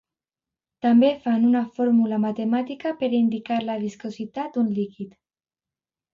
També fan una fórmula matemàtica per a indicar la viscositat d’un líquid.